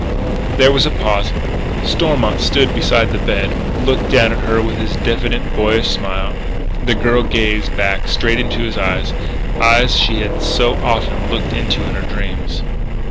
There was a pause; Stormont stood beside the bed, looking down at her with his diffident, boyish smile. And the girl gazed back straight into his eyes eyes she had so often looked into in her dreams.